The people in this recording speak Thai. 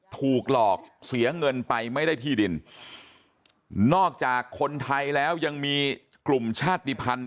ถูกหลอกเสียเงินไปไม่ได้ที่ดินนอกจากคนไทยแล้วยังมีกลุ่มชาติภัณฑ์